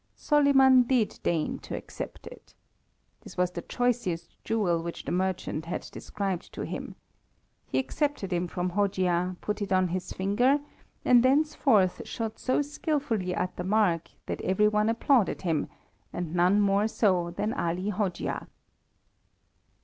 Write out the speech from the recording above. Soliman did deign to accept it. This was the choicest jewel which the merchant had described to him. He accepted it from Hojia, put it on his finger, and thenceforth shot so skilfully at the mark that every one applauded him, and none more so than Ali Hojia.